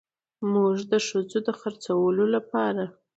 موږ د ښځو د خرڅولو لپاره